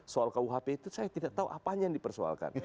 soal kuhp itu saya tidak tahu apanya yang dipersoalkan